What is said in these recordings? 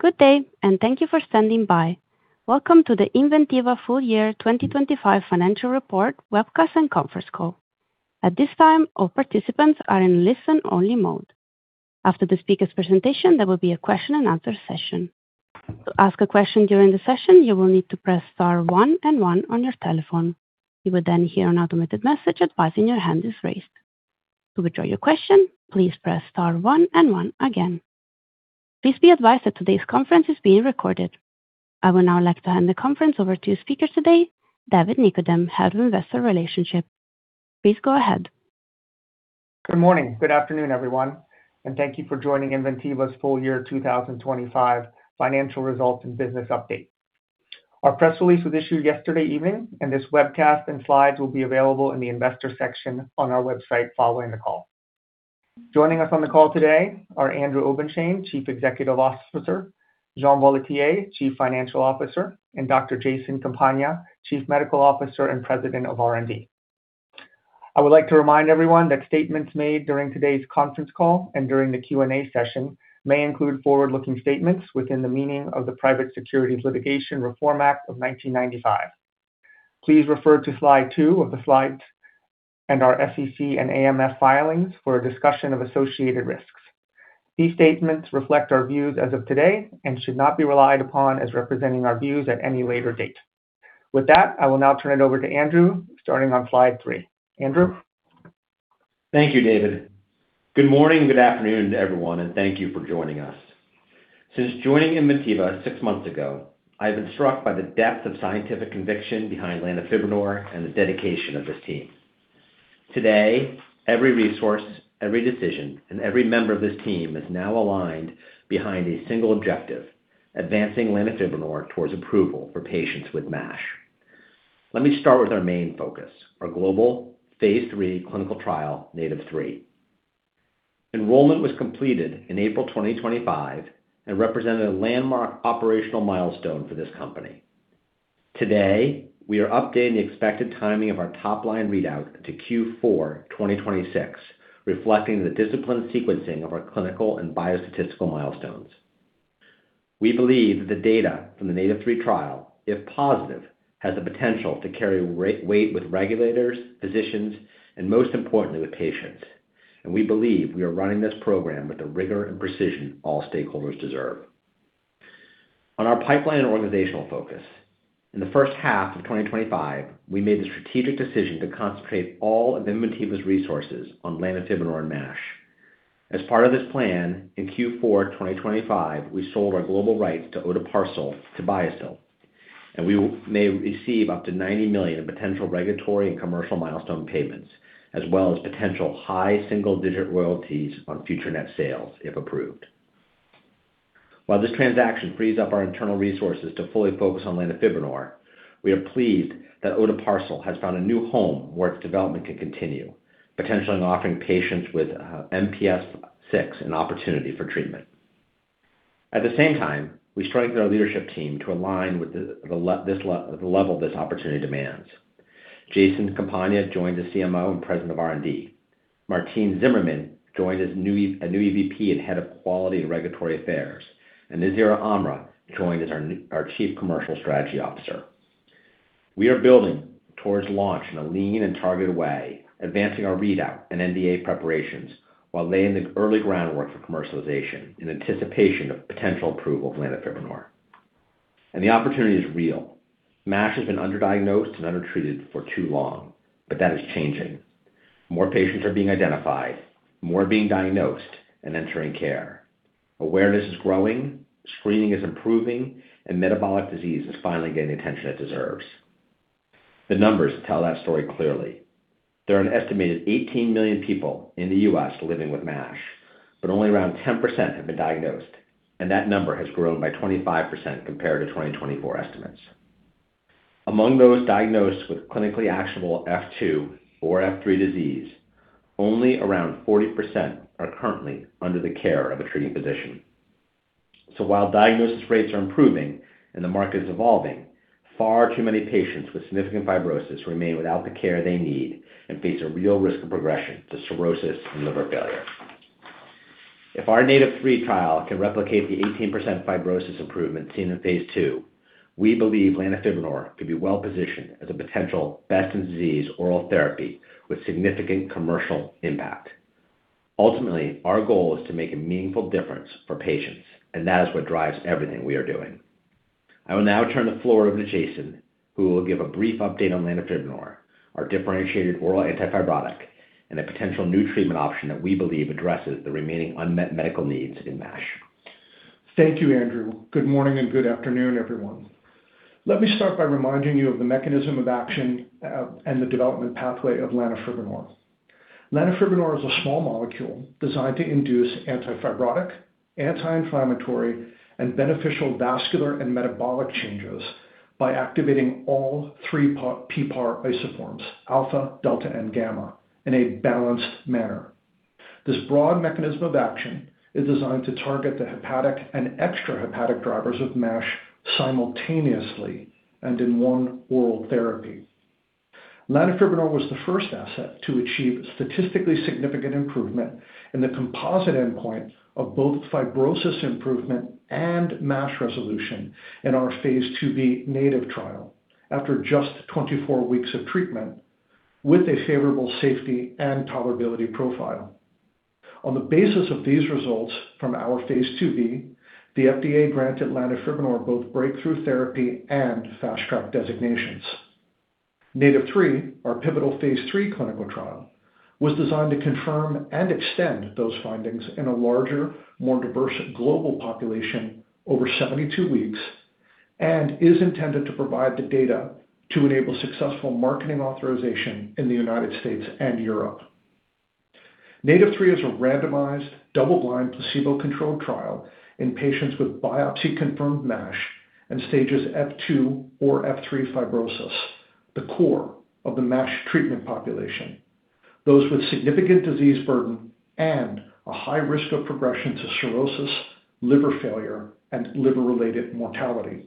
Good day, and thank you for standing by. Welcome to the Inventiva Full Year 2025 Financial Report webcast and conference call. At this time, all participants are in listen-only mode. After the speaker's presentation, there will be a question and answer session. To ask a question during the session, you will need to press star one and one on your telephone. You will then hear an automated message advising your hand is raised. To withdraw your question, please press star one and one again. Please be advised that today's conference is being recorded. I would now like to hand the conference over to speakers today, David Nikodem, Head of Investor Relations. Please go ahead. Good morning. Good afternoon, everyone, and thank you for joining Inventiva's full year 2025 financial results and business update. Our press release was issued yesterday evening, and this webcast and slides will be available in the investor section on our website following the call. Joining us on the call today are Andrew Obenshain, Chief Executive Officer, Jean Volatier, Chief Financial Officer, and Dr. Jason Campagna, Chief Medical Officer and President of R&D. I would like to remind everyone that statements made during today's conference call and during the Q&A session may include forward-looking statements within the meaning of the Private Securities Litigation Reform Act of 1995. Please refer to slide two of the slides and our SEC and AMF filings for a discussion of associated risks. These statements reflect our views as of today and should not be relied upon as representing our views at any later date. With that, I will now turn it over to Andrew, starting on slide three. Andrew? Thank you, David. Good morning, good afternoon to everyone, and thank you for joining us. Since joining Inventiva six months ago, I've been struck by the depth of scientific conviction behind lanifibranor and the dedication of this team. Today, every resource, every decision, and every member of this team is now aligned behind a single objective: advancing lanifibranor towards approval for patients with MASH. Let me start with our main focus, our global phase III clinical trial, NATiV3. Enrollment was completed in April 2025 and represented a landmark operational milestone for this company. Today, we are updating the expected timing of our top-line readout to Q4 2026, reflecting the disciplined sequencing of our clinical and biostatistical milestones. We believe that the data from the NATiV3 trial, if positive, has the potential to carry weight with regulators, physicians, and most importantly, with patients. We believe we are running this program with the rigor and precision all stakeholders deserve. On our pipeline and organizational focus, in the first half of 2025, we made the strategic decision to concentrate all of Inventiva's resources on lanifibranor and MASH. As part of this plan, in Q4 2025, we sold our global rights to odiparcil to Biosil, and we may receive up to $90 million in potential regulatory and commercial milestone payments, as well as potential high single-digit royalties on future net sales if approved. While this transaction frees up our internal resources to fully focus on lanifibranor, we are pleased that odiparcil has found a new home where its development can continue, potentially offering patients with MPS VI an opportunity for treatment. At the same time, we strengthened our leadership team to align with the level this opportunity demands. Jason Campagna joined as CMO and President of R&D. Martine Zimmermann joined as a new EVP and Head of Quality and Regulatory Affairs. Nazira Amra joined as our Chief Commercial Strategy Officer. We are building towards launch in a lean and targeted way, advancing our readout and NDA preparations while laying the early groundwork for commercialization in anticipation of potential approval of lanifibranor. The opportunity is real. MASH has been underdiagnosed and undertreated for too long, but that is changing. More patients are being identified, more are being diagnosed and entering care. Awareness is growing, screening is improving, and metabolic disease is finally getting the attention it deserves. The numbers tell that story clearly. There are an estimated 18 million people in the U.S. living with MASH, but only around 10% have been diagnosed, and that number has grown by 25% compared to 2024 estimates. Among those diagnosed with clinically actionable F2 or F3 disease, only around 40% are currently under the care of a treating physician. While diagnosis rates are improving and the market is evolving, far too many patients with significant fibrosis remain without the care they need and face a real risk of progression to cirrhosis and liver failure. If our NATiV3 trial can replicate the 18% fibrosis improvement seen in phase II, we believe lanifibranor could be well-positioned as a potential best-in-disease oral therapy with significant commercial impact. Ultimately, our goal is to make a meaningful difference for patients, and that is what drives everything we are doing. I will now turn the floor over to Jason, who will give a brief update on lanifibranor, our differentiated oral antifibrotic and a potential new treatment option that we believe addresses the remaining unmet medical needs in MASH. Thank you, Andrew. Good morning and good afternoon, everyone. Let me start by reminding you of the mechanism of action and the development pathway of lanifibranor. Lanifibranor is a small molecule designed to induce antifibrotic, anti-inflammatory, and beneficial vascular and metabolic changes by activating all three PPAR isoforms, alpha, delta, and gamma, in a balanced manner. This broad mechanism of action is designed to target the hepatic and extrahepatic drivers of MASH simultaneously and in one oral therapy. Lanifibranor was the first asset to achieve statistically significant improvement in the composite endpoint of both fibrosis improvement and MASH resolution in our phase II-B NATIVE trial after just 24 weeks of treatment with a favorable safety and tolerability profile. On the basis of these results from our phase II-B, the FDA granted lanifibranor both breakthrough therapy and fast track designations. NATiV3, our pivotal phase III clinical trial, was designed to confirm and extend those findings in a larger, more diverse global population over 72 weeks, and is intended to provide the data to enable successful marketing authorization in the United States and Europe. NATiV3 is a randomized, double-blind, placebo-controlled trial in patients with biopsy-confirmed MASH and stages F2 or F3 fibrosis, the core of the MASH treatment population, those with significant disease burden and a high risk of progression to cirrhosis, liver failure, and liver-related mortality.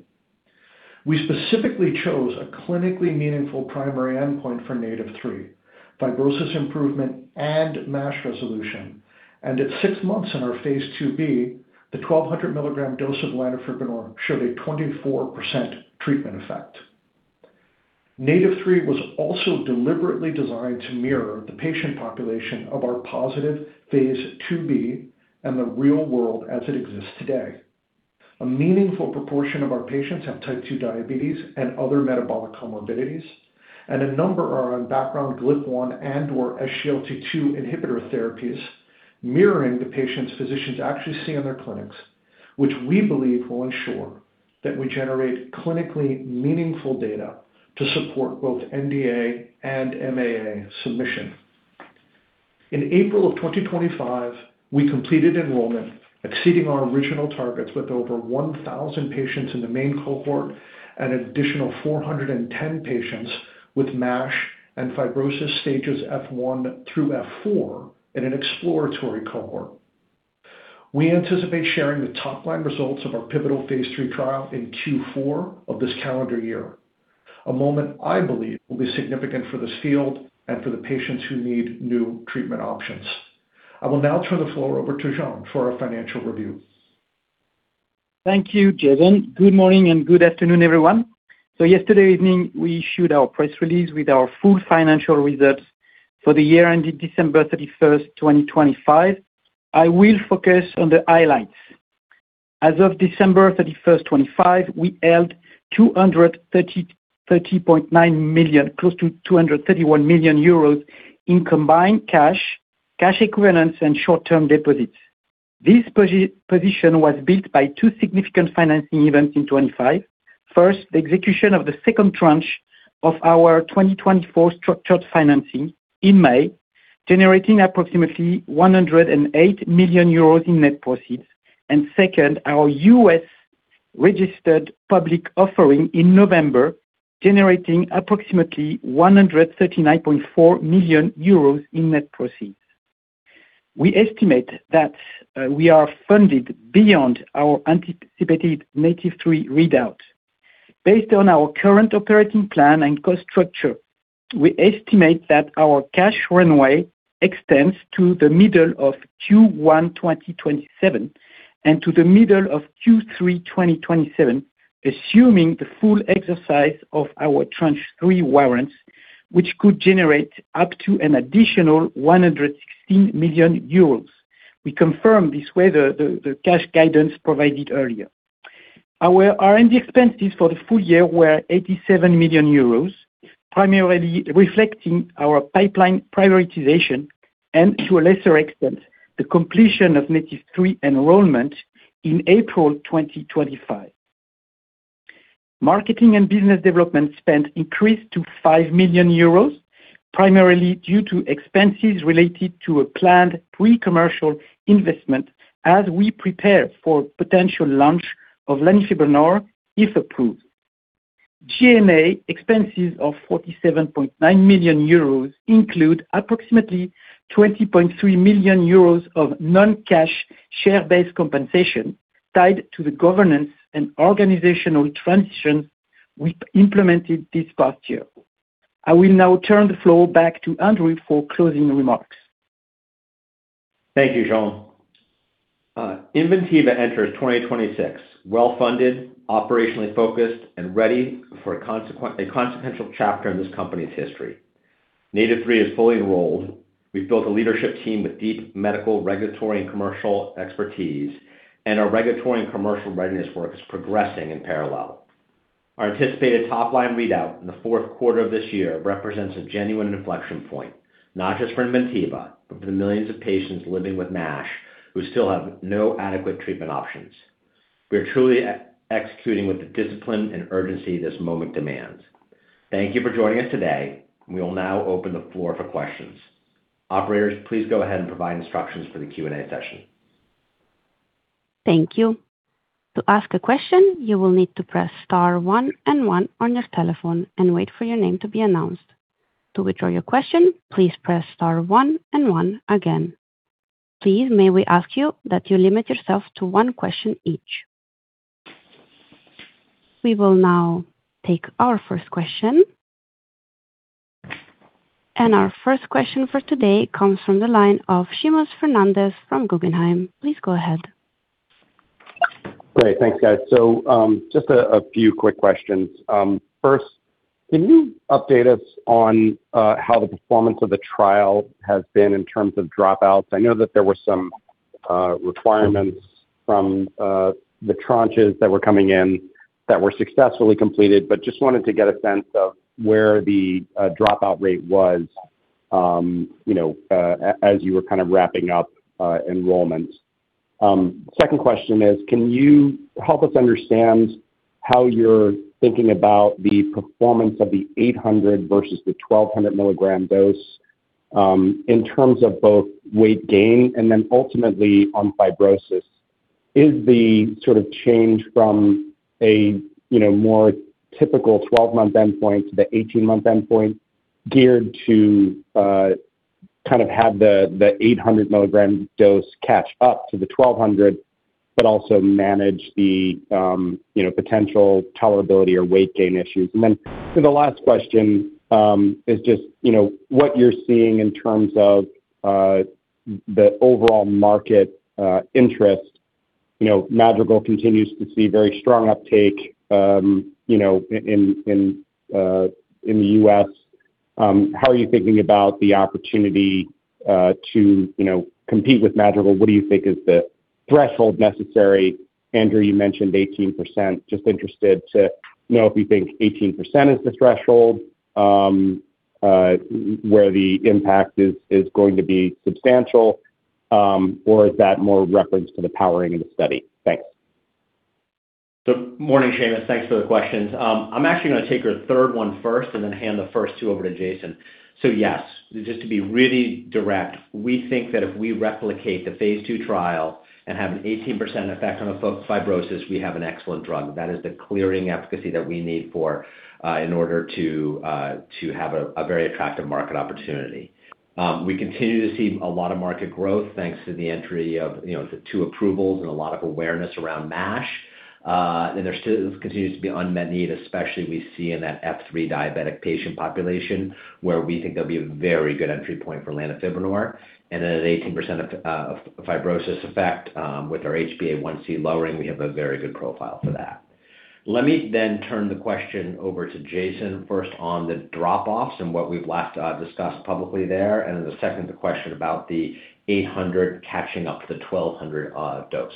We specifically chose a clinically meaningful primary endpoint for NATiV3, fibrosis improvement and MASH resolution. At six months in our phase II-B, the 1,200 mg dose of lanifibranor showed a 24% treatment effect. NATiV3 was also deliberately designed to mirror the patient population of our positive phase II-B and the real world as it exists today. A meaningful proportion of our patients have type 2 diabetes and other metabolic comorbidities, and a number are on background GLP-1 and/or SGLT2 inhibitor therapies, mirroring the patients physicians actually see in their clinics, which we believe will ensure that we generate clinically meaningful data to support both NDA and MAA submission. In April 2025, we completed enrollment, exceeding our original targets with over 1,000 patients in the main cohort and additional 410 patients with MASH and fibrosis stages F1 through F4 in an exploratory cohort. We anticipate sharing the top-line results of our pivotal phase III trial in Q4 of this calendar year, a moment I believe will be significant for this field and for the patients who need new treatment options. I will now turn the floor over to Jean for our financial review. Thank you, Jason. Good morning and good afternoon, everyone. Yesterday evening, we issued our press release with our full financial results for the year ending December 31, 2025. I will focus on the highlights. As of December 31, 2025, we held 230.9 million, close to 231 million euros in combined cash equivalents, and short-term deposits. This position was built by two significant financing events in 2025. First, the execution of the second tranche of our 2024 structured financing in May, generating approximately 108 million euros in net proceeds. Second, our U.S. registered public offering in November, generating approximately 139.4 million euros in net proceeds. We estimate that we are funded beyond our anticipated NATiV3 readout. Based on our current operating plan and cost structure, we estimate that our cash runway extends to the middle of Q1 2027 and to the middle of Q3 2027, assuming the full exercise of our tranche three warrants, which could generate up to an additional 116 million euros. We confirm this way the cash guidance provided earlier. Our R&D expenses for the full year were 87 million euros, primarily reflecting our pipeline prioritization and, to a lesser extent, the completion of NATiV3 enrollment in April 2025. Marketing and business development spend increased to 5 million euros, primarily due to expenses related to a planned pre-commercial investment as we prepare for potential launch of lanifibranor, if approved. G&A expenses of 47.9 million euros include approximately 20.3 million euros of non-cash share-based compensation tied to the governance and organizational transition we implemented this past year. I will now turn the floor back to Andrew for closing remarks. Thank you, Jean. Inventiva enters 2026 well-funded, operationally focused, and ready for a consequential chapter in this company's history. NATiV3 is fully enrolled. We've built a leadership team with deep medical, regulatory, and commercial expertise, and our regulatory and commercial readiness work is progressing in parallel. Our anticipated top-line readout in the fourth quarter of this year represents a genuine inflection point, not just for Inventiva, but for the millions of patients living with MASH who still have no adequate treatment options. We are truly executing with the discipline and urgency this moment demands. Thank you for joining us today, and we will now open the floor for questions. Operators, please go ahead and provide instructions for the Q&A session. Thank you. To ask a question, you will need to press star one and one on your telephone and wait for your name to be announced. To withdraw your question, please press star one and one again. Please, may we ask you that you limit yourself to one question each. We will now take our first question. Our first question for today comes from the line of Seamus Fernandez from Guggenheim. Please go ahead. Great. Thanks, guys. Just a few quick questions. First, can you update us on how the performance of the trial has been in terms of dropouts? I know that there were some requirements from the tranches that were coming in that were successfully completed, but just wanted to get a sense of where the dropout rate was, you know, as you were kind of wrapping up enrollment. Second question is, can you help us understand how you're thinking about the performance of the 800 versus the 1200 milligram dose, in terms of both weight gain and then ultimately on fibrosis? Is the sort of change from a you know more typical 12-month endpoint to the 18-month endpoint geared to kind of have the 800 mg dose catch up to the 1200 but also manage the you know potential tolerability or weight gain issues? The last question is just you know what you're seeing in terms of the overall market interest. You know, Madrigal continues to see very strong uptake you know in the U.S. How are you thinking about the opportunity to you know compete with Madrigal? What do you think is the threshold necessary? Andrew, you mentioned 18%. Just interested to know if you think 18% is the threshold where the impact is going to be substantial or is that more reference to the powering of the study? Thanks. Morning, Seamus. Thanks for the questions. I'm actually gonna take your third one first and then hand the first two over to Jason. Yes, just to be really direct, we think that if we replicate the phase II trial and have an 18% effect on the fibrosis, we have an excellent drug. That is the clearing efficacy that we need for in order to have a very attractive market opportunity. We continue to see a lot of market growth thanks to the entry of, you know, the two approvals and a lot of awareness around MASH. And there still continues to be unmet need, especially we see in that F3 diabetic patient population, where we think there'll be a very good entry point for lanifibranor. At 18% of fibrosis effect with our HbA1c lowering, we have a very good profile for that. Let me then turn the question over to Jason first on the drop-offs and what we've last discussed publicly there, and then the second question about the 800 catching up to the 1200 dose.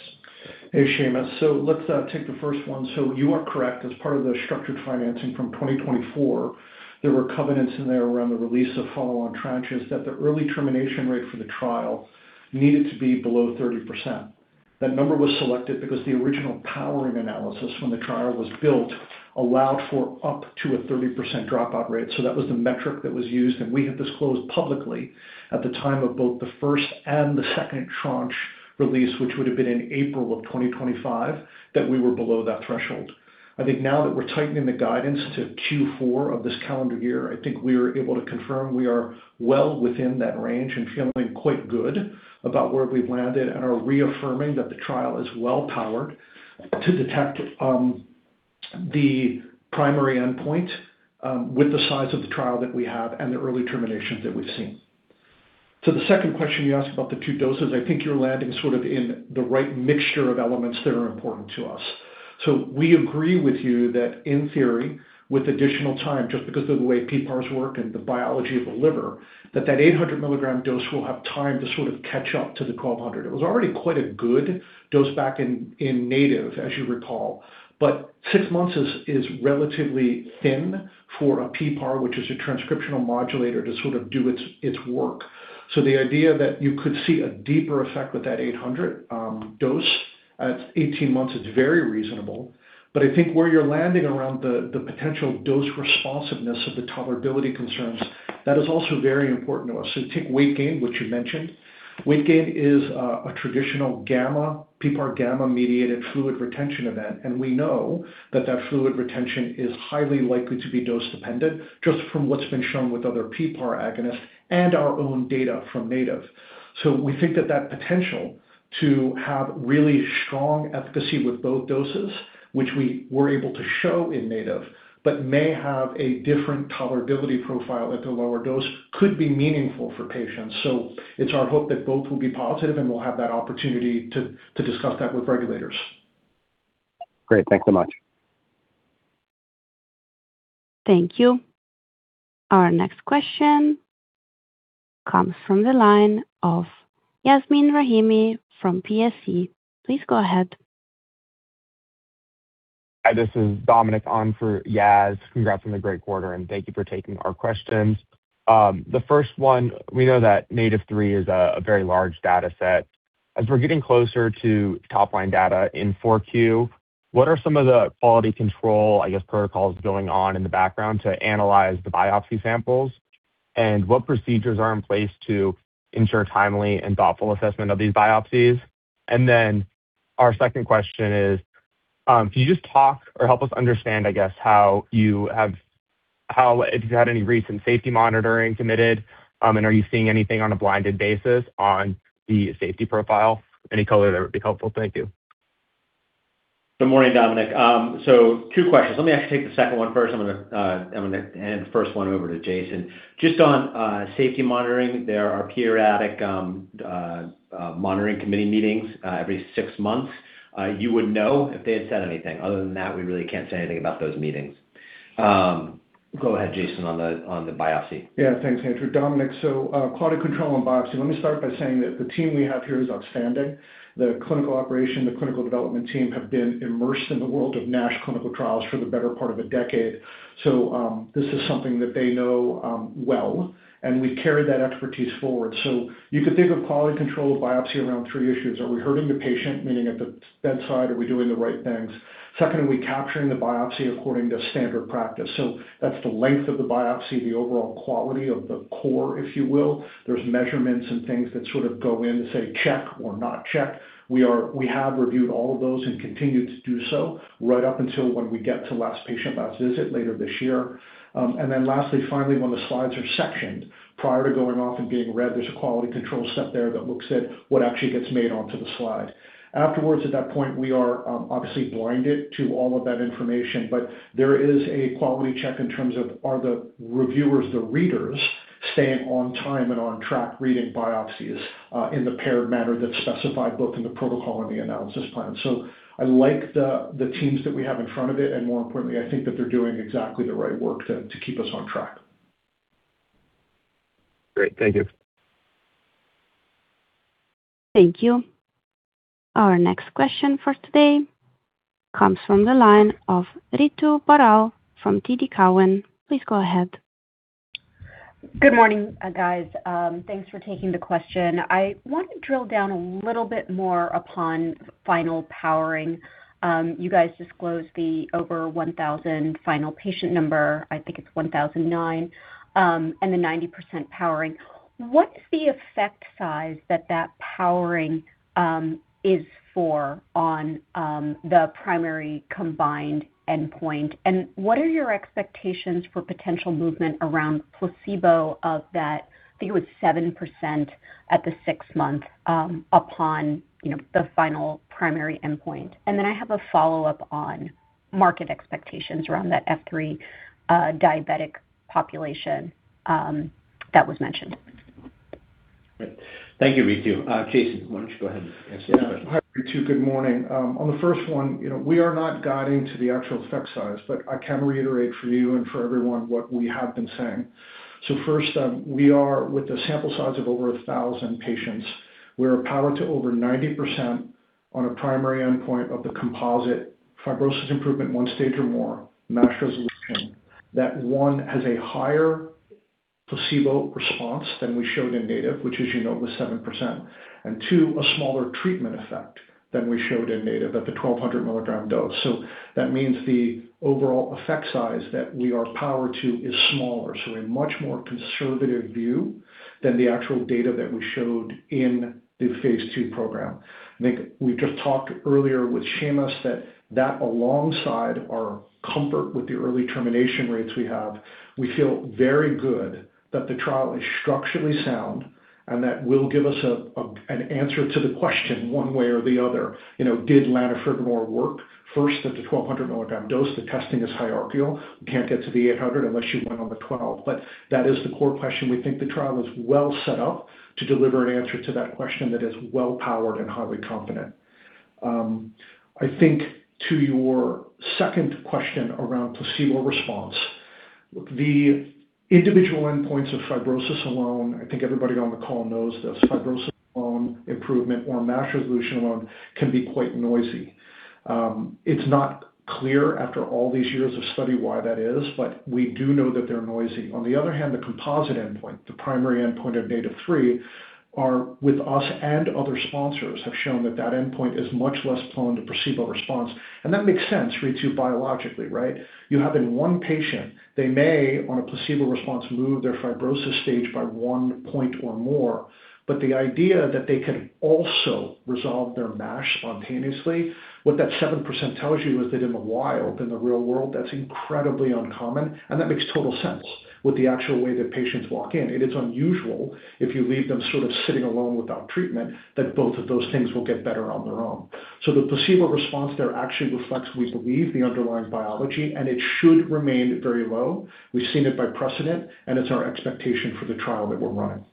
Hey, Seamus. Let's take the first one. You are correct. As part of the structured financing from 2024, there were covenants in there around the release of follow-on tranches that the early termination rate for the trial needed to be below 30%. That number was selected because the original powering analysis when the trial was built allowed for up to a 30% dropout rate. That was the metric that was used, and we had disclosed publicly at the time of both the first and the second tranche release, which would have been in April 2025, that we were below that threshold. I think now that we're tightening the guidance to Q4 of this calendar year, I think we are able to confirm we are well within that range and feeling quite good about where we've landed and are reaffirming that the trial is well powered to detect the primary endpoint with the size of the trial that we have and the early terminations that we've seen. The second question you asked about the two doses, I think you're landing sort of in the right mixture of elements that are important to us. We agree with you that in theory, with additional time, just because of the way PPARs work and the biology of the liver, that 800 mg dose will have time to sort of catch up to the 1200. It was already quite a good dose back in NATIVE, as you recall. Six months is relatively thin for a PPAR, which is a transcriptional modulator to sort of do its work. The idea that you could see a deeper effect with that 800 dose at 18 months is very reasonable. I think where you're landing around the potential dose responsiveness of the tolerability concerns, that is also very important to us. Take weight gain, which you mentioned. Weight gain is a traditional PPAR gamma mediated fluid retention event, and we know that fluid retention is highly likely to be dose dependent just from what's been shown with other PPAR agonists and our own data from NATIVE. We think that potential to have really strong efficacy with both doses, which we were able to show in NATIVE, but may have a different tolerability profile at the lower dose, could be meaningful for patients. It's our hope that both will be positive, and we'll have that opportunity to discuss that with regulators. Great. Thanks so much. Thank you. Our next question comes from the line of Yasmeen Rahimi from Piper Sandler. Please go ahead. Hi, this is Dominic on for Yas. Congrats on the great quarter, and thank you for taking our questions. The first one, we know that NATiV3 is a very large dataset. As we're getting closer to top-line data in Q4, what are some of the quality control, I guess, protocols going on in the background to analyze the biopsy samples? And what procedures are in place to ensure timely and thoughtful assessment of these biopsies? And then our second question is, can you just talk or help us understand, I guess, how, if you had any recent safety monitoring committee, and are you seeing anything on a blinded basis on the safety profile? Any color there would be helpful. Thank you. Good morning, Dominic. Two questions. Let me actually take the second one first. I'm gonna hand the first one over to Jason. Just on safety monitoring, there are periodic monitoring committee meetings every six months. You would know if they had said anything. Other than that, we really can't say anything about those meetings. Go ahead, Jason, on the biopsy. Yeah. Thanks, Andrew. Dominic, quality control and biopsy. Let me start by saying that the team we have here is outstanding. The clinical operation, the clinical development team have been immersed in the world of NASH clinical trials for the better part of a decade. This is something that they know well, and we carry that expertise forward. You could think of quality control of biopsy around three issues. Are we hurting the patient? Meaning at the bedside, are we doing the right things? Second, are we capturing the biopsy according to standard practice? That's the length of the biopsy, the overall quality of the core, if you will. There's measurements and things that sort of go in to say check or not check. We have reviewed all of those and continued to do so right up until when we get to last patient, last visit later this year. Lastly, finally, when the slides are sectioned prior to going off and being read, there's a quality control step there that looks at what actually gets made onto the slide. Afterwards, at that point, we are obviously blinded to all of that information, but there is a quality check in terms of are the reviewers, the readers staying on time and on track reading biopsies in the paired manner that's specified both in the protocol and the analysis plan. I like the teams that we have in front of it, and more importantly, I think that they're doing exactly the right work to keep us on track. Great. Thank you. Thank you. Our next question for today comes from the line of Ritu Baral from TD Cowen. Please go ahead. Good morning, guys. Thanks for taking the question. I want to drill down a little bit more upon final powering. You guys disclosed the over 1000 final patient number. I think it's 1009, and the 90% powering. What's the effect size that that powering is for on the primary combined endpoint? And what are your expectations for potential movement around placebo of that, I think it was 7% at the six-month, you know, the final primary endpoint? And then I have a follow-up on market expectations around that F3 diabetic population that was mentioned. Great. Thank you, Ritu. Jason, why don't you go ahead and answer that question? Hi, Ritu. Good morning. On the first one, you know, we are not guiding to the actual effect size, but I can reiterate for you and for everyone what we have been saying. First, we are with a sample size of over 1,000 patients. We are powered to over 90% on a primary endpoint of the composite fibrosis improvement one stage or more MASH resolution. That one has a higher placebo response than we showed in NATIVE, which as you know, was 7%. Two, a smaller treatment effect than we showed in NATIVE at the 1,200 milligram dose. That means the overall effect size that we are powered to is smaller. A much more conservative view than the actual data that we showed in the phase II program. I think we just talked earlier with Seamus that alongside our comfort with the early termination rates we have, we feel very good that the trial is structurally sound and that will give us an answer to the question one way or the other. You know, did lanifibranor work first at the 1,200 mg dose? The testing is hierarchical. We can't get to the 800 unless you went on the 1,200. But that is the core question. We think the trial is well set up to deliver an answer to that question that is well powered and highly confident. I think to your second question around placebo response, the individual endpoints of fibrosis alone, I think everybody on the call knows this, fibrosis alone improvement or MASH resolution alone can be quite noisy. It's not clear after all these years of study why that is, but we do know that they're noisy. On the other hand, the composite endpoint, the primary endpoint of NATiV3, are with us and other sponsors, have shown that that endpoint is much less prone to placebo response. That makes sense, Ritu, biologically, right? You have in one patient, they may, on a placebo response, move their fibrosis stage by one point or more. The idea that they can also resolve their MASH spontaneously, what that 7% tells you is that in the wild, in the real world, that's incredibly uncommon, and that makes total sense with the actual way that patients walk in. It is unusual if you leave them sort of sitting alone without treatment, that both of those things will get better on their own. The placebo response there actually reflects, we believe, the underlying biology, and it should remain very low. We've seen it by precedent, and it's our expectation for the trial that we're running.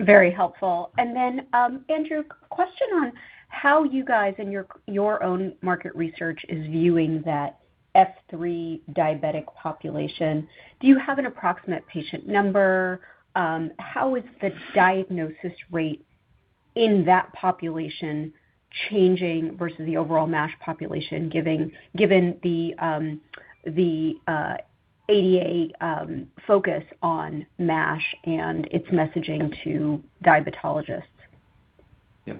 Very helpful. Andrew, question on how you guys in your own market research is viewing that F3 diabetic population. Do you have an approximate patient number? How is the diagnosis rate in that population changing versus the overall MASH population given the ADA focus on MASH and its messaging to diabetologists? Yeah.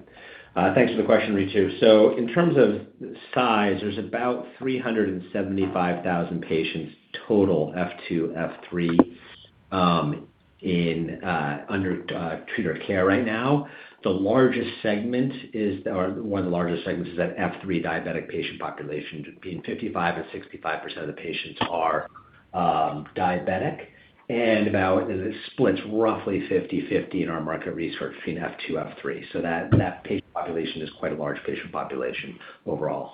Thanks for the question, Ritu. In terms of size, there's about 375,000 patients total F2, F3, in treatment or care right now, the largest segment is. Or one of the largest segments is that F3 diabetic patient population, being 55%-65% of the patients are diabetic, and about it splits roughly 50/50 in our market research between F2, F3. That patient population is quite a large patient population overall.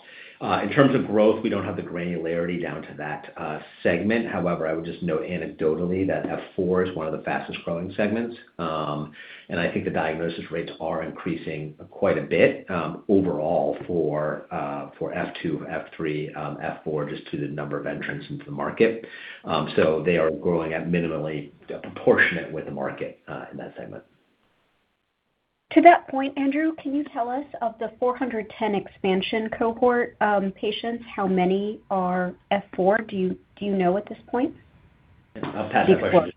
In terms of growth, we don't have the granularity down to that segment. However, I would just note anecdotally that F4 is one of the fastest-growing segments. I think the diagnosis rates are increasing quite a bit, overall for F2, F3, F4, just due to the number of entrants into the market. They are growing at minimally proportionate with the market, in that segment. To that point, Andrew, can you tell us of the 410 expansion cohort patients, how many are F4? Do you know at this point? I'll pass that question.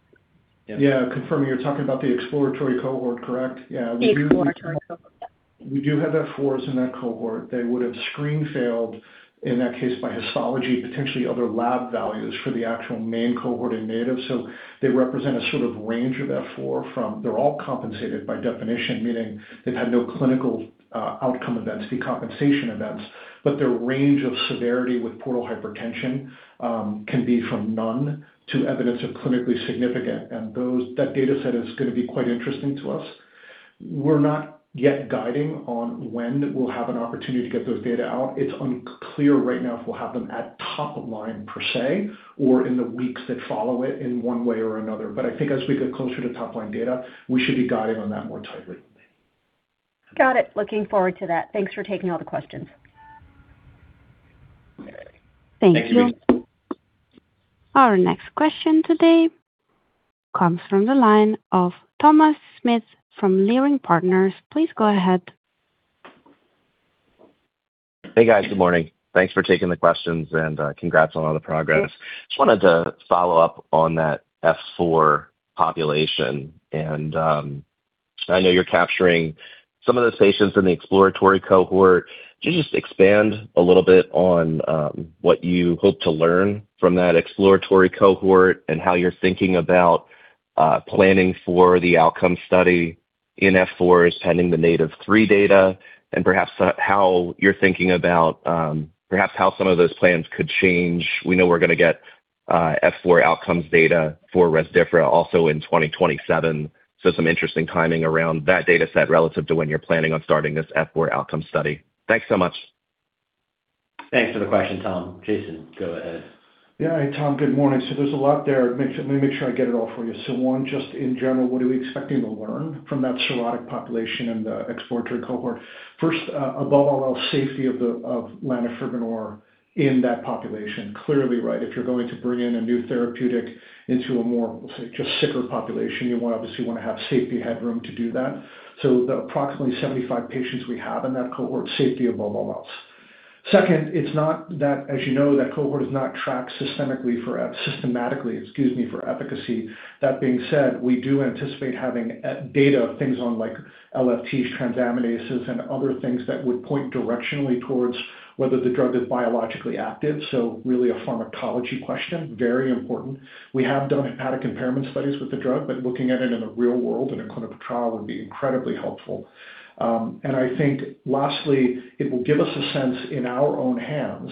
Yeah. Confirming you're talking about the exploratory cohort, correct? Yeah. Exploratory cohort, yes. We do have F4s in that cohort. They would have screen failed in that case by histology, potentially other lab values for the actual main cohort in NATIVE. They represent a sort of range of F4 from. They're all compensated by definition, meaning they've had no clinical outcome events, decompensation events. Their range of severity with portal hypertension can be from none to evidence of clinically significant. That data set is going to be quite interesting to us. We're not yet guiding on when we'll have an opportunity to get those data out. It's unclear right now if we'll have them at topline per se, or in the weeks that follow it in one way or another. I think as we get closer to topline data, we should be guiding on that more tightly. Got it. Looking forward to that. Thanks for taking all the questions. Okay. Thank you. Thank you. Our next question today comes from the line of Thomas Smith from Leerink Partners. Please go ahead. Hey, guys. Good morning. Thanks for taking the questions, and congrats on all the progress. Just wanted to follow up on that F4 population. I know you're capturing some of those patients in the exploratory cohort. Can you just expand a little bit on what you hope to learn from that exploratory cohort and how you're thinking about planning for the outcome study in F4 pending the NATiV3 data and perhaps how you're thinking about perhaps how some of those plans could change. We know we're going to get F4 outcomes data for Rezdiffra also in 2027. Some interesting timing around that data set relative to when you're planning on starting this F4 outcome study. Thanks so much. Thanks for the question, Tom. Jason, go ahead. Tom, good morning. There's a lot there. Let me make sure I get it all for you. One, just in general, what are we expecting to learn from that cirrhotic population in the exploratory cohort? First, above all else, safety of lanifibranor in that population. Clearly, right, if you're going to bring in a new therapeutic into a more, let's say, just sicker population, you want to obviously have safety headroom to do that. The approximately 75 patients we have in that cohort, safety above all else. Second, it's not that, as you know, that cohort is not tracked systematically for efficacy. That being said, we do anticipate having data of things on like LFTs, transaminases, and other things that would point directionally towards whether the drug is biologically active. Really a pharmacology question, very important. We have done ad hoc impairment studies with the drug, but looking at it in the real world in a clinical trial would be incredibly helpful. I think lastly, it will give us a sense in our own hands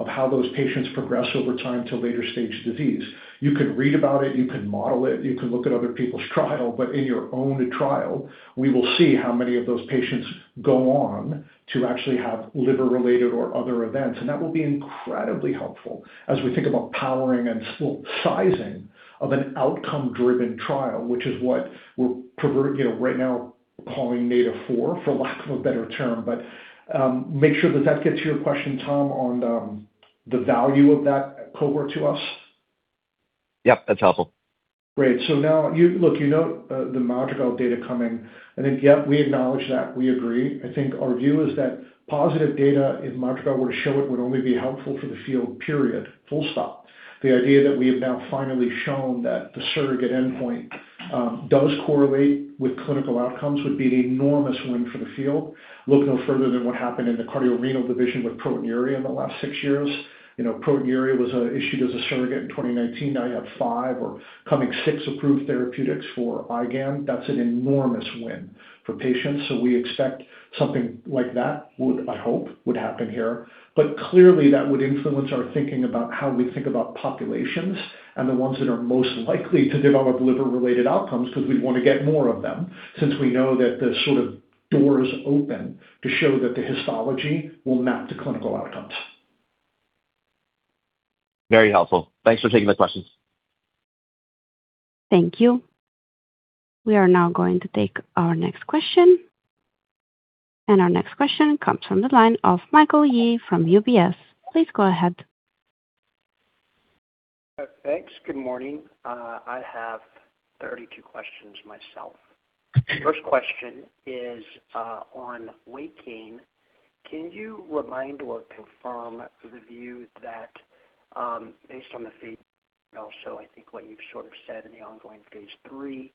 of how those patients progress over time to later-stage disease. You can read about it, you can model it, you can look at other people's trial, but in your own trial, we will see how many of those patients go on to actually have liver-related or other events. That will be incredibly helpful as we think about powering and sizing of an outcome-driven trial, which is what we're, you know, right now calling NATiV4, for lack of a better term. Make sure that that gets your question, Tom, on the value of that cohort to us. Yep, that's helpful. Great. Look, you note the Madrigal data coming, and then yet we acknowledge that. We agree. I think our view is that positive data, if Madrigal were to show it, would only be helpful for the field, period, full stop. The idea that we have now finally shown that the surrogate endpoint does correlate with clinical outcomes would be an enormous win for the field. Look no further than what happened in the cardio renal division with proteinuria in the last six years. You know, proteinuria was issued as a surrogate in 2019. Now you have five or coming six approved therapeutics for IgAN. That's an enormous win for patients. We expect something like that would, I hope, happen here. Clearly, that would influence our thinking about how we think about populations and the ones that are most likely to develop liver-related outcomes because we'd want to get more of them since we know that the sort of door is open to show that the histology will map to clinical outcomes. Very helpful. Thanks for taking the questions. Thank you. We are now going to take our next question, and our next question comes from the line of Michael Yee from UBS. Please go ahead. Thanks. Good morning. I have 32 questions myself. First question is on weight gain. Can you remind or confirm the view that, based on the phase II also, I think what you've sort of said in the ongoing phase III,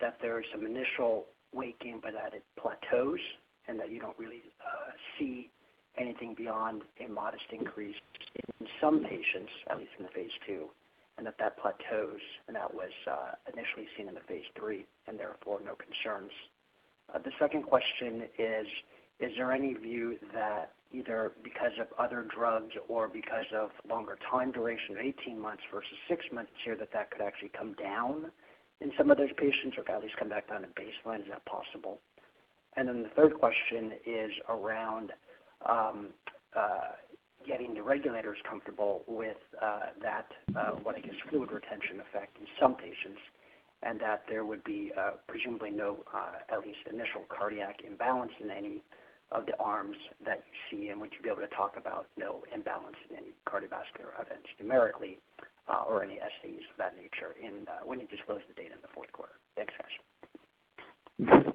that there is some initial weight gain, but that it plateaus and that you don't really see anything beyond a modest increase in some patients, at least in the phase II, and that that plateaus, and that was initially seen in the phase III and therefore no concerns. The second question is there any view that either because of other drugs or because of longer time duration of 18 months versus six months here that that could actually come down in some of those patients or at least come back down to baseline? Is that possible? The third question is around getting the regulators comfortable with that what I guess fluid retention effect in some patients, and that there would be presumably no at least initial cardiac imbalance in any of the arms that you see and would you be able to talk about no imbalance in any cardiovascular events numerically or any SAEs of that nature in when you disclose the data in the fourth quarter? Thanks, guys.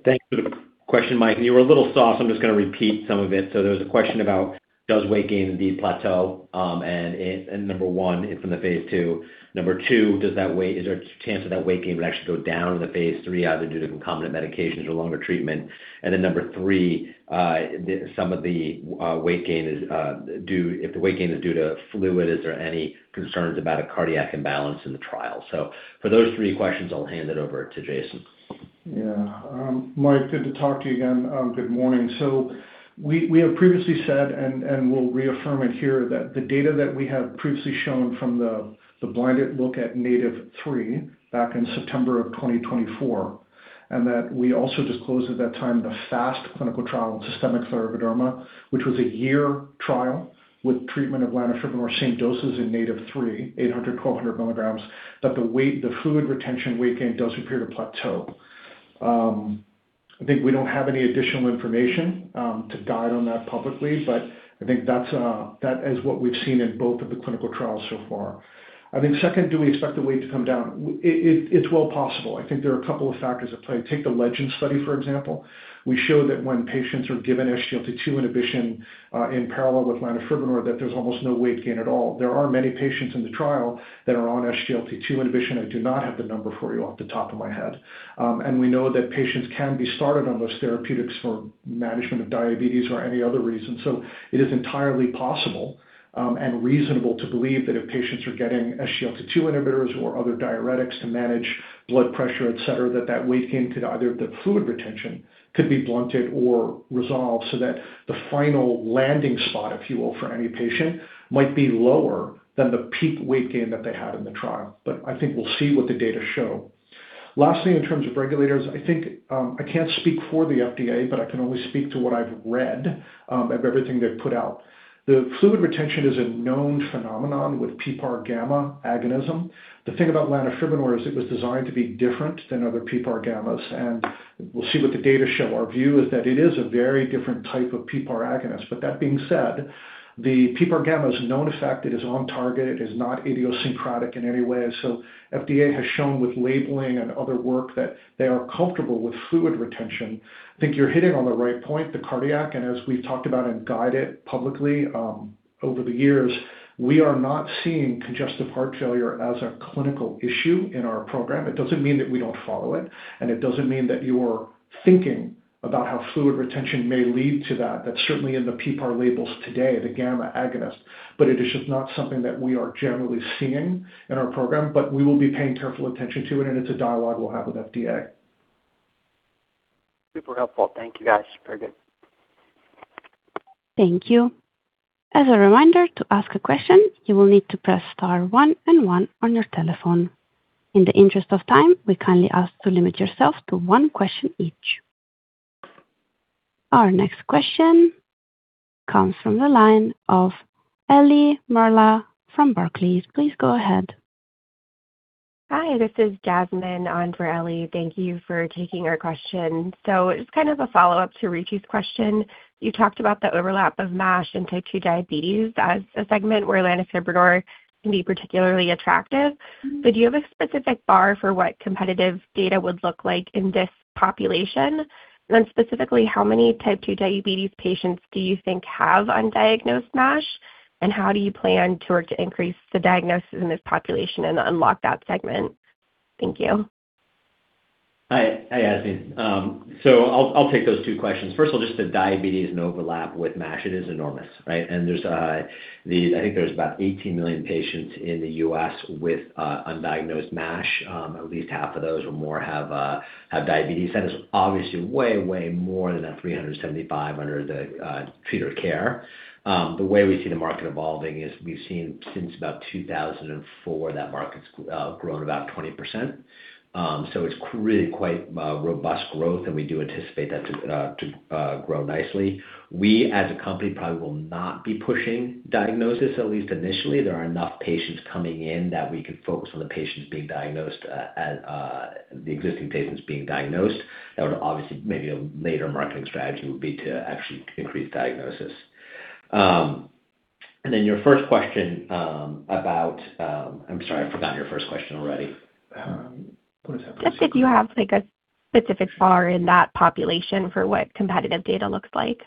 Thank you for the question, Mike. You were a little soft, so I'm just gonna repeat some of it. There's a question about does weight gain indeed plateau, and number one, if in the phase II. Number two, is there a chance that that weight gain would actually go down in the phase III, either due to concomitant medications or longer treatment? Number three, some of the weight gain is if the weight gain is due to fluid, is there any concerns about a cardiac imbalance in the trial? For those three questions, I'll hand it over to Jason. Yeah. Mike, good to talk to you again. Good morning. We have previously said, and we'll reaffirm it here, that the data that we have previously shown from the blinded look at NATiV3 back in September 2024, and that we also disclosed at that time the FASST clinical trial in systemic scleroderma, which was a one-year trial with treatment of lanifibranor, same doses in NATiV3, 800, 1200 milligrams, that the weight, the fluid retention weight gain does appear to plateau. I think we don't have any additional information to guide on that publicly, but I think that's what we've seen in both of the clinical trials so far. I think second, do we expect the weight to come down? Well, it's well possible. I think there are a couple of factors at play. Take the LEGEND study, for example. We show that when patients are given SGLT2 inhibition in parallel with lanifibranor, that there's almost no weight gain at all. There are many patients in the trial that are on SGLT2 inhibition. I do not have the number for you off the top of my head. We know that patients can be started on those therapeutics for management of diabetes or any other reason. It is entirely possible and reasonable to believe that if patients are getting SGLT2 inhibitors or other diuretics to manage blood pressure, et cetera, that the fluid retention could be blunted or resolved so that the final landing spot, if you will, for any patient might be lower than the peak weight gain that they had in the trial. I think we'll see what the data show. Last thing in terms of regulators, I think, I can't speak for the FDA, but I can only speak to what I've read, of everything they've put out. The fluid retention is a known phenomenon with PPAR gamma agonism. The thing about lanifibranor is it was designed to be different than other PPAR gammas, and we'll see what the data show. Our view is that it is a very different type of PPAR agonist. But that being said, the PPAR gamma is a known effect. It is on target. It is not idiosyncratic in any way. FDA has shown with labeling and other work that they are comfortable with fluid retention. I think you're hitting on the right point, the cardiac, and as we've talked about and guided publicly, over the years, we are not seeing congestive heart failure as a clinical issue in our program. It doesn't mean that we don't follow it, and it doesn't mean that you're thinking about how fluid retention may lead to that. That's certainly in the PPAR labels today, the gamma agonist. It is just not something that we are generally seeing in our program, but we will be paying careful attention to it, and it's a dialogue we'll have with FDA. Super helpful. Thank you, guys. Very good. Thank you. As a reminder, to ask a question, you will need to press star one and one on your telephone. In the interest of time, we kindly ask to limit yourself to one question each. Our next question comes from the line of Ellie Merle from Barclays. Please go ahead. Hi, this is Jasmine on for Ellie. Thank you for taking our question. Just kind of a follow-up to Ritu's question. You talked about the overlap of MASH and type 2 diabetes as a segment where lanifibranor can be particularly attractive. Mm-hmm. Do you have a specific bar for what competitive data would look like in this population? And then specifically, how many type 2 diabetes patients do you think have undiagnosed MASH? And how do you plan to work to increase the diagnosis in this population and unlock that segment? Thank you. Hi. Hi, Jasmine. I'll take those two questions. First of all, just the diabetes and overlap with MASH, it is enormous, right? I think there's about 18 million patients in the U.S. with undiagnosed MASH. At least half of those or more have diabetes. That is obviously way more than that 375 under the treat or care. The way we see the market evolving is we've seen since about 2004, that market's grown about 20%. It's really quite robust growth, and we do anticipate that to grow nicely. We, as a company, probably will not be pushing diagnosis, at least initially. There are enough patients coming in that we can focus on the existing patients being diagnosed. That would obviously. Maybe a later marketing strategy would be to actually increase diagnosis. Your first question. I'm sorry, I forgot your first question already. What was that first question? Just if you have like a specific bar in that population for what competitive data looks like?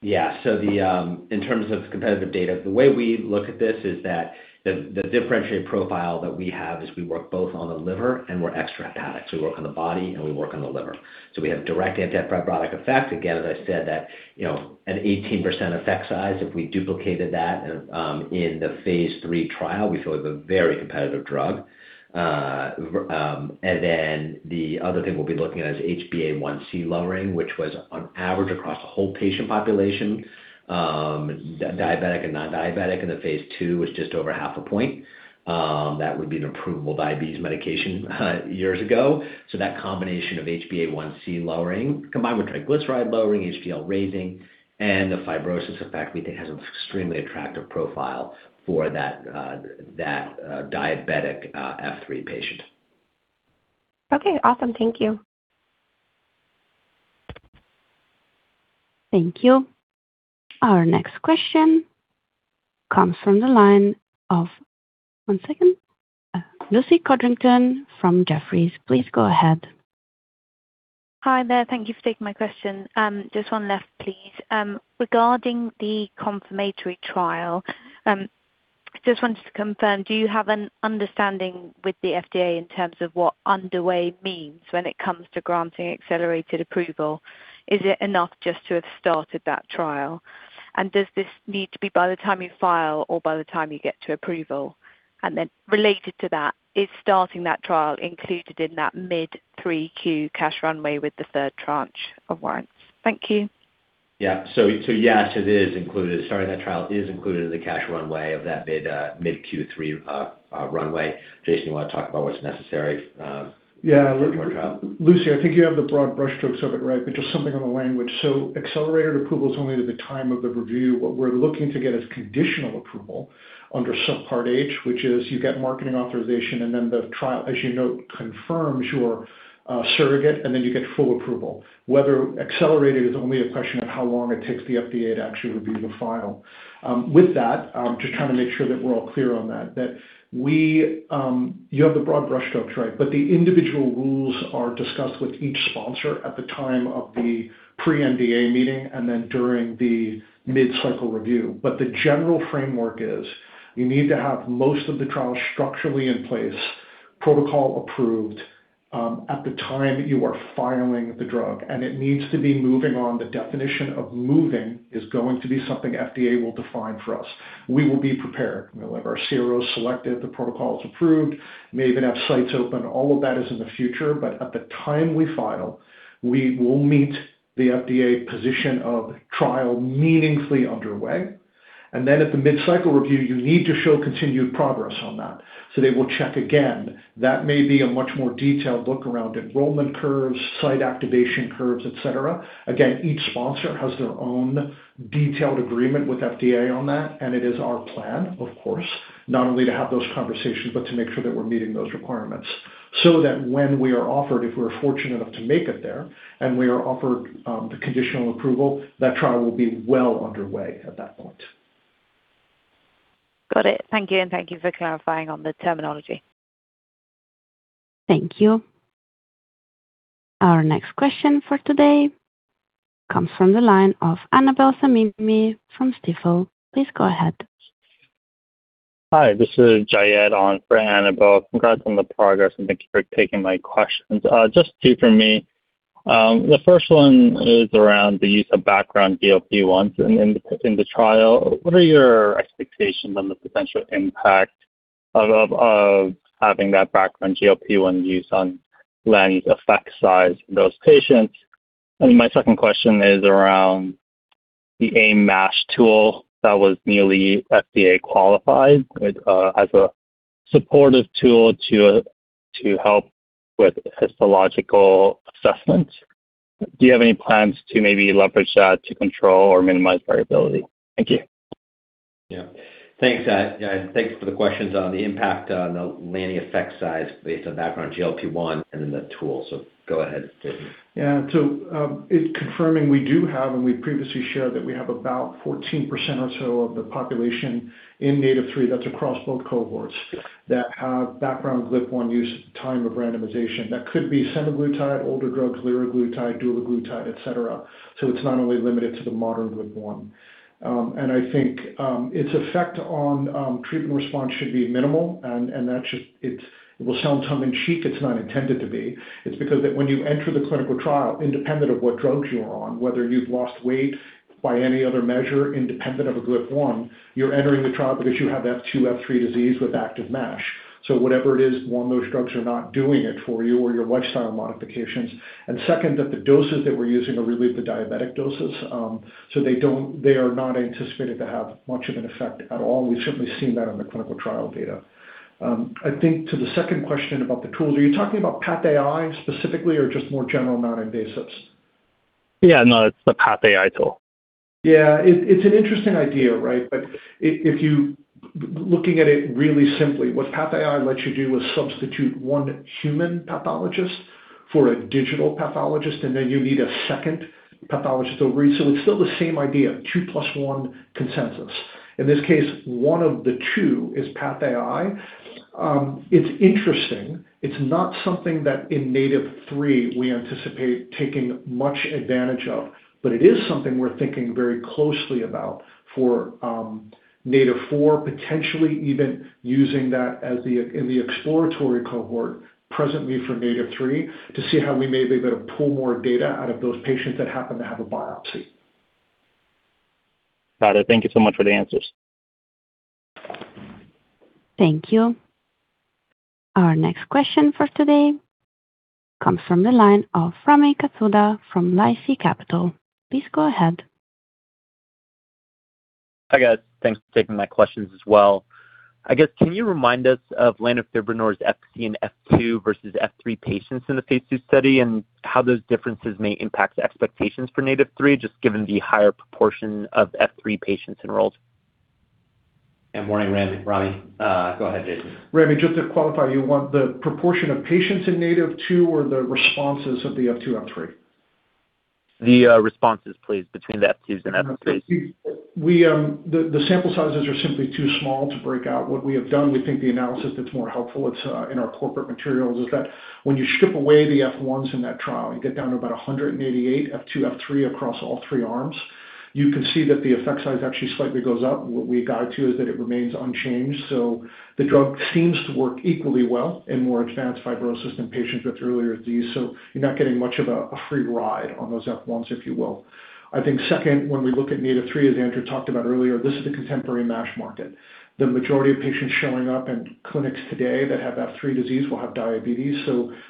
Yeah. In terms of competitive data, the way we look at this is that the differentiated profile that we have is we work both on the liver and we're extrahepatic. We work on the body, and we work on the liver. We have direct anti-fibrotic effects. Again, as I said that, you know, an 18% effect size, if we duplicated that in the phase III trial, we feel like a very competitive drug. The other thing we'll be looking at is HbA1c lowering, which was on average across the whole patient population, diabetic and nondiabetic in the phase II, was just over half a point. That would be an approvable diabetes medication years ago. That combination of HbA1c lowering, combined with triglyceride lowering, HDL raising, and the fibrosis effect, we think has an extremely attractive profile for that diabetic F3 patient. Okay. Awesome. Thank you. Thank you. Our next question comes from the line of One second. Lucy Codrington from Jefferies. Please go ahead. Hi there. Thank you for taking my question. Just one left, please. Regarding the confirmatory trial, just wanted to confirm, do you have an understanding with the FDA in terms of what underway means when it comes to granting accelerated approval? Is it enough just to have started that trial? Does this need to be by the time you file or by the time you get to approval? Related to that, is starting that trial included in that mid-3Q cash runway with the third tranche of warrants? Thank you. Yes, it is included. Starting that trial is included in the cash runway of that mid-Q3 runway. Jason, you wanna talk about what's necessary. Yeah. For the trial? Lucy, I think you have the broad brushstrokes of it right, but just something on the language. Accelerated approval is only at the time of the review. What we're looking to get is conditional approval under Subpart H, which is you get marketing authorization, and then the trial, as you note, confirms your surrogate, and then you get full approval. Whether accelerated is only a question of how long it takes the FDA to actually review the file. With that, just trying to make sure that we're all clear on that. You have the broad brushstrokes, right? The individual rules are discussed with each sponsor at the time of the pre-NDA meeting and then during the mid-cycle review. The general framework is you need to have most of the trial structurally in place, protocol approved, at the time you are filing the drug, and it needs to be moving on. The definition of moving is going to be something FDA will define for us. We will be prepared. We'll have our CROs selected, the protocol is approved. May even have sites open. All of that is in the future, but at the time we file, we will meet the FDA position of trial meaningfully underway. At the mid-cycle review, you need to show continued progress on that, so they will check again. That may be a much more detailed look around enrollment curves, site activation curves, et cetera. Again, each sponsor has their own detailed agreement with FDA on that, and it is our plan, of course, not only to have those conversations, but to make sure that we're meeting those requirements so that when we are offered, if we're fortunate enough to make it there, and we are offered, the conditional approval, that trial will be well underway at that point. Got it. Thank you, and thank you for clarifying on the terminology. Thank you. Our next question for today comes from the line of Annabel Samimy from Stifel. Please go ahead. Hi, this is Jayed on for Annabel. Congrats on the progress and thank you for taking my questions. Just two from me. The first one is around the use of background GLP-1 in the trial. What are your expectations on the potential impact of having that background GLP-1 use on lanifibranor effect size for those patients? My second question is around the AIM-MASH tool that was newly FDA qualified as a supportive tool to help with histological assessment. Do you have any plans to maybe leverage that to control or minimize variability? Thank you. Yeah. Thanks for the questions on the impact on the lanifibranor effect size based on background GLP-1 and then the trial. Go ahead, Jason. Yeah. In confirming, we do have, and we've previously shared that we have about 14% or so of the population in NATiV3, that's across both cohorts, that have background GLP-1 use at the time of randomization. That could be semaglutide, older drugs, liraglutide, dulaglutide, et cetera, so it's not only limited to the modern GLP-1. I think its effect on treatment response should be minimal and that should. It will sound tongue in cheek, it's not intended to be. It's because when you enter the clinical trial, independent of what drugs you're on, whether you've lost weight by any other measure independent of a GLP-1, you're entering the trial because you have F2, F3 disease with active MASH. So whatever it is, one, those drugs are not doing it for you or your lifestyle modifications. Second, that the doses that we're using are really the diabetic doses. They are not anticipated to have much of an effect at all. We've certainly seen that in the clinical trial data. I think to the second question about the tools, are you talking about PathAI specifically or just more general non-invasives? Yeah, no, it's the PathAI tool. Yeah. It's an interesting idea, right? Looking at it really simply, what PathAI lets you do is substitute one human pathologist for a digital pathologist, and then you need a second pathologist to read. It's still the same idea, two plus one consensus. In this case, one of the two is PathAI. It's interesting. It's not something that in NATiV3 we anticipate taking much advantage of, but it is something we're thinking very closely about for NATiV4, potentially even using that as the in the exploratory cohort presently for NATiV3, to see how we may be able to pull more data out of those patients that happen to have a biopsy. Got it. Thank you so much for the answers. Thank you. Our next question for today comes from the line of Rami Katkhuda from LifeSci Capital. Please go ahead. Hi, guys. Thanks for taking my questions as well. I guess, can you remind us of lanifibranor's FC and F2 versus F3 patients in the phase II study and how those differences may impact the expectations for NATiV3, just given the higher proportion of F3 patients enrolled? Good morning, Rami. Go ahead, Jason. Rami, just to qualify, you want the proportion of patients in NATIVE2 or the responses of the F2, F3? The responses, please, between the phase II's and phase III's. The sample sizes are simply too small to break out. What we have done, we think the analysis that's more helpful, it's in our corporate materials, is that when you strip away the F1s in that trial, you get down to about 188 F2, F3 across all three arms. You can see that the effect size actually slightly goes up. What we guide to is that it remains unchanged. The drug seems to work equally well in more advanced fibrosis than patients with earlier disease. You're not getting much of a free ride on those F1s if you will. Second, when we look at NATiV3, as Andrew talked about earlier, this is a contemporary MASH market. The majority of patients showing up in clinics today that have F3 disease will have diabetes.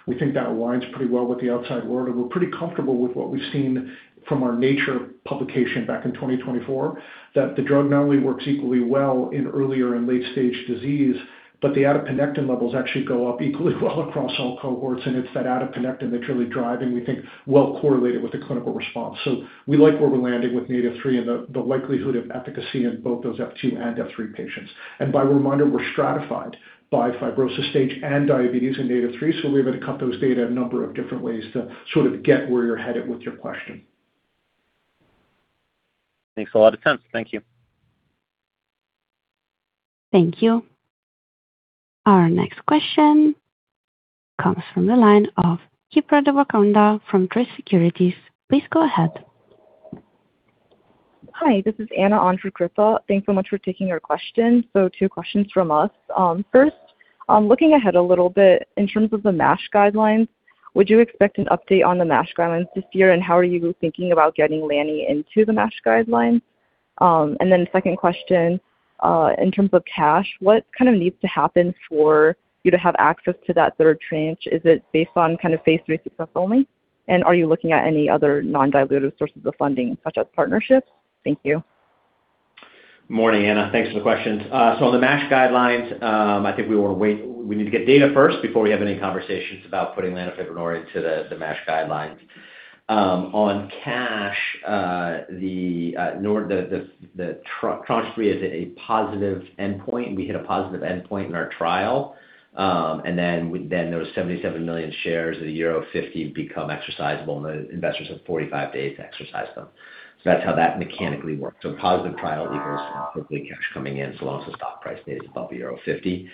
We think that aligns pretty well with the outside world, and we're pretty comfortable with what we've seen from our Nature publication back in 2024, that the drug not only works equally well in earlier and late stage disease, but the adiponectin levels actually go up equally well across all cohorts. It's that adiponectin that's really driving, we think, well correlated with the clinical response. We like where we're landing with NATiV3 and the likelihood of efficacy in both those F2 and F3 patients. As a reminder, we're stratified by fibrosis stage and diabetes in NATiV3. We have to cut those data a number of different ways to sort of get where you're headed with your question. Makes a lot of sense. Thank you. Thank you. Our next question comes from the line of Srikripa Devarakonda from Truist Securities. Please go ahead. Hi, this is Anna on for Srikripa. Thanks so much for taking our questions. Two questions from us. First, looking ahead a little bit in terms of the MASH guidelines, would you expect an update on the MASH guidelines this year, and how are you thinking about getting Lani into the MASH guidelines? Then second question, in terms of cash, what kind of needs to happen for you to have access to that third tranche? Is it based on kind of phase III success only? And are you looking at any other non-dilutive sources of funding, such as partnerships? Thank you. Morning, Anna. Thanks for the questions. On the MASH guidelines, I think we wanna wait. We need to get data first before we have any conversations about putting lanifibranor into the MASH guidelines. On cash, the tranche three is a positive endpoint. We hit a positive endpoint in our trial, and then those 77 million shares at euro 50 become exercisable, and the investors have 45 days to exercise them. That's how that mechanically works. Positive trial equals quickly cash coming in, so long as the stock price stays above euro 50.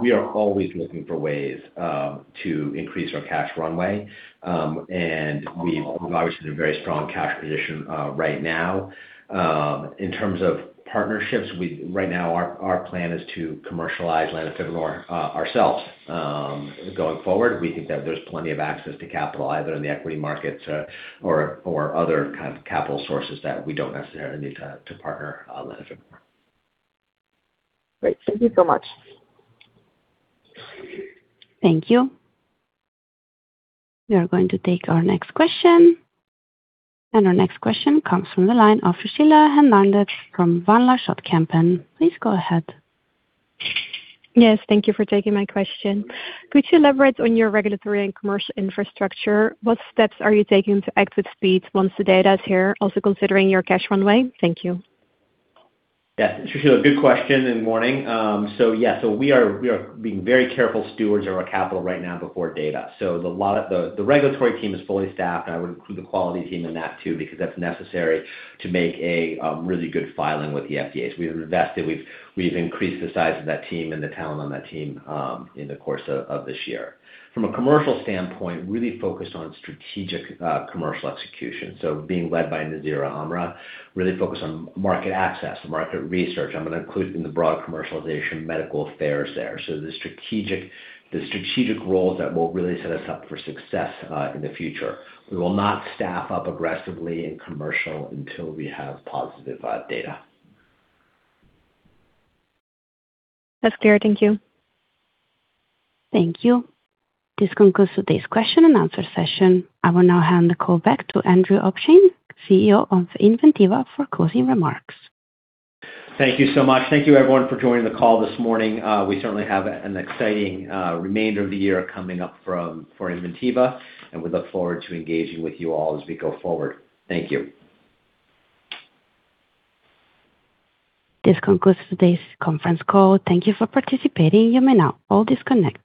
We are always looking for ways to increase our cash runway. We're obviously in a very strong cash position right now. In terms of partnerships, right now our plan is to commercialize lanifibranor ourselves. Going forward, we think that there's plenty of access to capital either in the equity markets, or other kind of capital sources that we don't necessarily need to partner lanifibranor. Great. Thank you so much. Thank you. We are going to take our next question, and our next question comes from the line of Sushila Hernandez from Van Lanschot Kempen. Please go ahead. Yes, thank you for taking my question. Could you elaborate on your regulatory and commercial infrastructure? What steps are you taking to act with speed once the data is here, also considering your cash runway? Thank you. Yes. Sushila Hernandez, good question, and morning. Yeah, we are being very careful stewards of our capital right now before data. The regulatory team is fully staffed, and I would include the quality team in that too, because that's necessary to make a really good filing with the FDA. We've invested. We've increased the size of that team and the talent on that team in the course of this year. From a commercial standpoint, really focused on strategic commercial execution. Being led by Nazira Amra, really focused on market access and market research. I'm gonna include in the broad commercialization medical affairs there. The strategic roles that will really set us up for success in the future. We will not staff up aggressively in commercial until we have positive data. That's clear. Thank you. Thank you. This concludes today's question and answer session. I will now hand the call back to Andrew Obenshain, CEO of Inventiva, for closing remarks. Thank you so much. Thank you everyone for joining the call this morning. We certainly have an exciting remainder of the year coming up from, for Inventiva, and we look forward to engaging with you all as we go forward. Thank you. This concludes today's conference call. Thank you for participating. You may now all disconnect.